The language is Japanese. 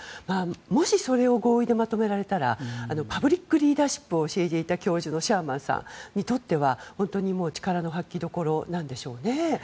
もしそれを合意でまとめられたらパブリックリーダーシップを教えていた教授のシャーマンさんにとっては本当に力の発揮どころなんでしょうね。